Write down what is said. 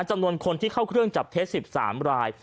จำนวนคนที่เข้าเครื่องจับเท็จ๑๓ราย